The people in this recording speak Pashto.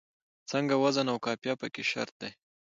ځکه وزن او قافیه پکې شرط دی.